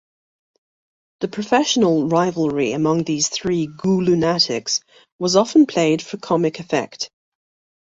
The professional rivalry among these three GhouLunatics was often played for comic effect.